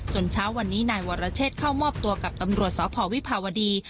เช้าวันนี้นายวรเชษเข้ามอบตัวกับตำรวจสพวิภาวดี